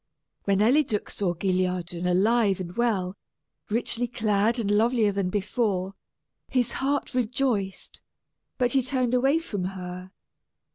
When Eliduc saw Guilliadun alive and well, richly clad and lovelier than before, his heart rejoiced, but he turned away from her.